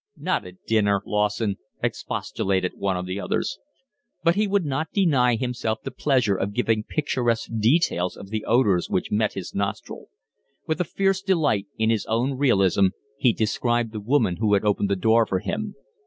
"Not at dinner, Lawson," expostulated one of the others. But he would not deny himself the pleasure of giving picturesque details of the odours which met his nostril. With a fierce delight in his own realism he described the woman who had opened the door for him.